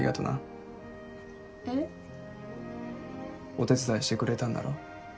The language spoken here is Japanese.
お手伝いしてくれたんだろ？